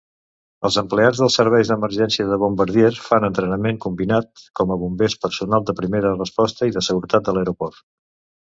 Els empleats dels serveis d'emergència de Bombardier fan entrenament combinat com a bombers, personal de primera resposta i de seguretat de l'aeroport.